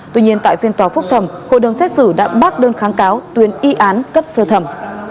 tuy nhiên tại phiên tòa phúc thẩm hội đồng xét xử đã bác đơn kháng cáo tuyên y án cấp sơ thẩm